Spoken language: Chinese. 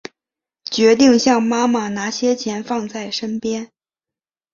决定向妈妈拿些钱放在身边